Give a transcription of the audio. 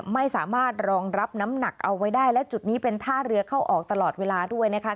ไม่สามารถรองรับน้ำหนักเอาไว้ได้และจุดนี้เป็นท่าเรือเข้าออกตลอดเวลาด้วยนะคะ